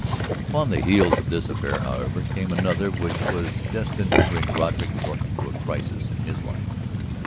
Upon the heels of this affair, however, came another which was destined to bring Roderick Norton to a crisis in his life.